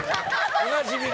おなじみの。